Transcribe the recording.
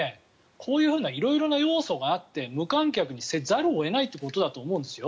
こういうふうな色々な要素があって無観客にせざるを得ないということだと思うんですよ。